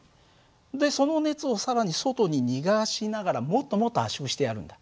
でその熱を更に外に逃がしながらもっともっと圧縮してやるんだ。